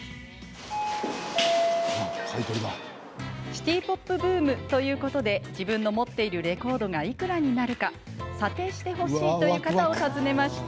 シティ・ポップブームということで自分の持っているレコードがいくらになるか査定してほしいという方を訪ねました。